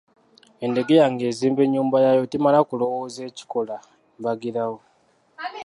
Endegeya ng'ezimba enyumba yayo temala kulowooza ekikola mbagirawo.